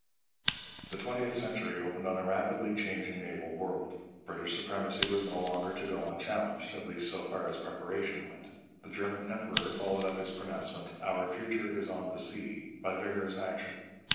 The twentieth century opened on a rapidly changing naval world. British supremacy was no longer to go unchallenged, at least so far as preparation went. The German Emperor followed up his pronouncement, 'Our future is on the sea,' by vigorous action.